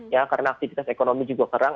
ya karena aktivitas ekonomi juga kerang